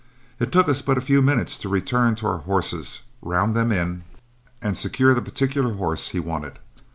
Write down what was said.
It took us but a few minutes to return to our horses, round them in, and secure the particular horse he wanted.